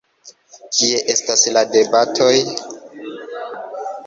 Kie estas la debatoj?